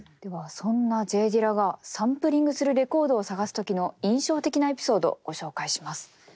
そんなＪ・ディラがサンプリングするレコードを探す時の印象的なエピソードご紹介します。